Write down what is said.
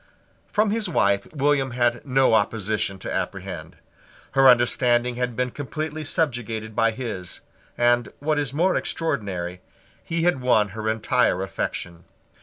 From his wife William had no opposition to apprehend. Her understanding had been completely subjugated by his; and, what is more extraordinary, he had won her entire affection.